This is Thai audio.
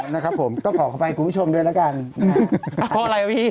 อ๋อนะครับผมก็ขอเข้าไปให้กลุ่มผู้ชมด้วยแล้วกันเพราะอะไรพี่